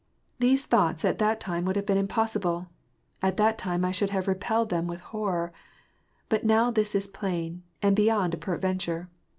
These thoughts at that time would have been impossible,— at that time X should have repelled them with horror; but now this is plain, and beyond a perad venture.